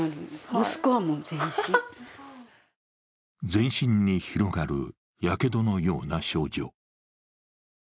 全身に広がるやけどのような症状。